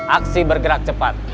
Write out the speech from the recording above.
aksi bergerak cepat